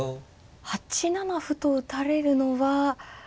８七歩と打たれるのは。